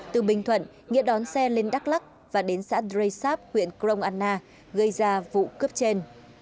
từ bình thuận nghĩa đón xe lên đắk lắc và đến xã drey sap huyện crong anna gây ra vụ cướp trên